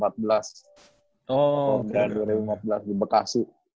porda dua ribu empat belas di bekasi